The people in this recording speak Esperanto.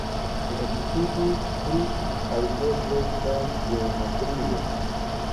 Li okupiĝis pri algebro kaj geometrio.